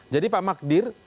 jadi pak magdir